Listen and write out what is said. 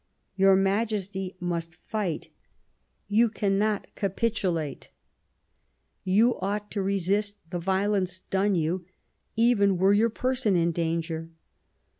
Your Majesty must fight ; you cannot capitulate ; you ought to resist the violence done you, even were your person in danger."